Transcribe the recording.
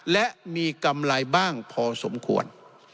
และมีกำไรบ้างพอสมควร